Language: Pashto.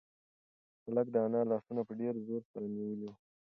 هلک د انا لاسونه په ډېر زور سره نیولي وو.